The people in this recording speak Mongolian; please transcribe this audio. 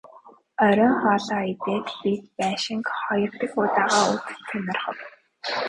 Оройн хоолоо идээд бид байшинг хоёр дахь удаагаа үзэж сонирхов.